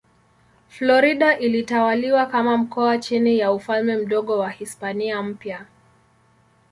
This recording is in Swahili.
Florida ilitawaliwa kama mkoa chini ya Ufalme Mdogo wa Hispania Mpya.